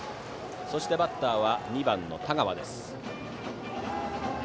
そしてバッターは２番、田川。